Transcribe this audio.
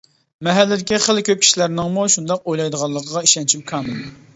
مەھەللىدىكى خېلى كۆپ كىشىلەرنىڭمۇ شۇنداق ئويلايدىغانلىقىغا ئىشەنچىم كامىل.